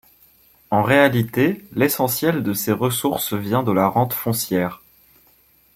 En réalité, l'essentiel de ses ressources vient de la rente foncière.